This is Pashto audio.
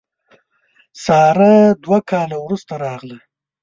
ساره دوه کاله وروسته راغله.